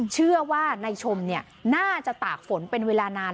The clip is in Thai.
เชื่อว่านายชมน่าจะตากฝนเป็นเวลานาน